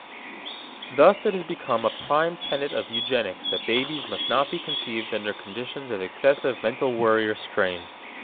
Thus it has become a prime tenet of eugenics that babies must not be conceived under conditions of excessive mental worry or strain.